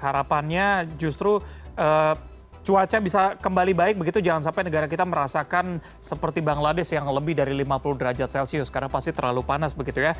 harapannya justru cuaca bisa kembali baik begitu jangan sampai negara kita merasakan seperti bangladesh yang lebih dari lima puluh derajat celcius karena pasti terlalu panas begitu ya